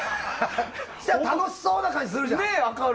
楽しそうな感じがするじゃん。